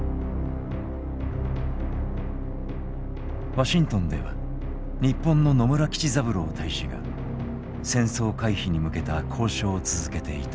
ワシントンでは日本の野村吉三郎大使が戦争回避に向けた交渉を続けていた。